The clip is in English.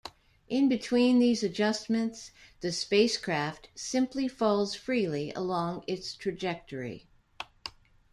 In between these adjustments, the spacecraft simply falls freely along its trajectory.